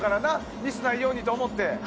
ミスないようにと思って。